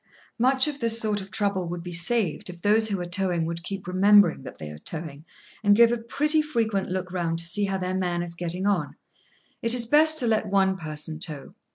Much of this sort of trouble would be saved if those who are towing would keep remembering that they are towing, and give a pretty frequent look round to see how their man is getting on. It is best to let one person tow.